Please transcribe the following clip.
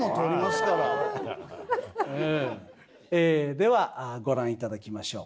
ではご覧頂きましょう。